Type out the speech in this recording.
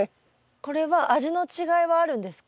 これは味の違いはあるんですか？